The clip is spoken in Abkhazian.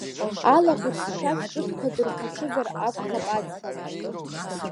Алаӷырӡ шьашә ҽыҭқәа дырхәаҽызар акәхап аӡӷаб.